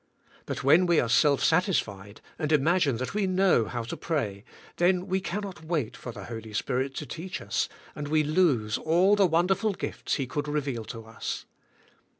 But when we are self satisfied, and imagine that we know how to pray, then we cannot wait for the Holy Spirit to teach us and we lose all the wonderful gifts He could reveal to us.